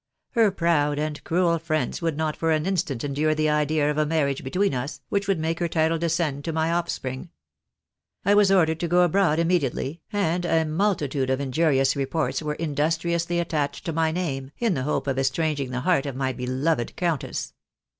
Her proud and cruel friends would not for an instant endure the idea of a marriage between us, which would make her title descend to my offspring. I was ordered to go abroad im mediately, and a multitude of injurious reports were industriously attached to my name, in the hope of estranging the heart of my beloved countess.